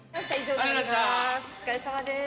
お疲れさまでーす。